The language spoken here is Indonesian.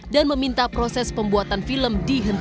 dan meminta proses pembuatan film